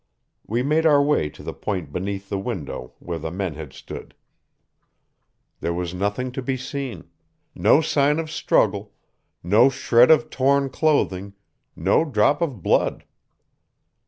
We made our way to the point beneath the window, where the men had stood. There was nothing to be seen no sign of struggle, no shred of torn clothing, no drop of blood.